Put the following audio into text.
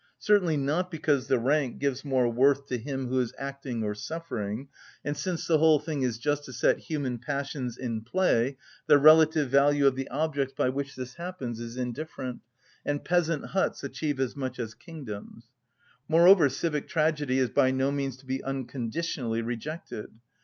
Certainly not because the rank gives more worth to him who is acting or suffering; and since the whole thing is just to set human passions in play, the relative value of the objects by which this happens is indifferent, and peasant huts achieve as much as kingdoms. Moreover, civic tragedy is by no means to be unconditionally rejected.